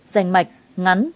dành mạch ngắn